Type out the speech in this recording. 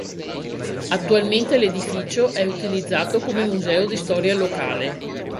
Attualmente l'edificio è utilizzato come museo di storia locale.